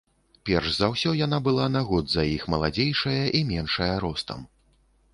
Перш за ўсё, яна была на год за іх маладзейшая і меншая ростам.